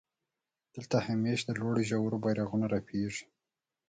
دلته همېش د لوړو ژورو بيرغونه رپېږي.